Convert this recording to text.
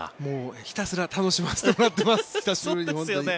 ひたすら楽しませてもらっています。